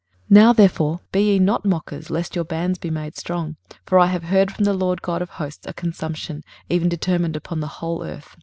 23:028:022 Now therefore be ye not mockers, lest your bands be made strong: for I have heard from the Lord GOD of hosts a consumption, even determined upon the whole earth.